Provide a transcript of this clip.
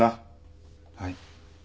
はい。